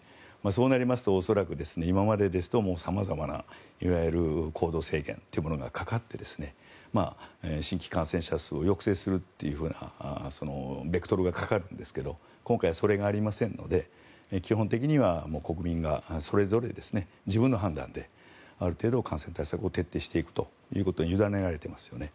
そうなりますと恐らく今までですと様々な、いわゆる行動制限というものがかかって新規感染者数を抑制するというベクトルがかかるんですけども今回はそれがありませんので基本的には国民がそれぞれ自分の判断である程度、感染対策を徹底していくということに委ねられていますよね。